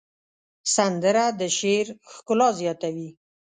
سندره د شعر ښکلا زیاتوي